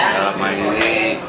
dalam hal ini